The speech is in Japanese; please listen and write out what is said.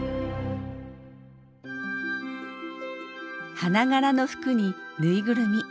花柄の服にぬいぐるみ。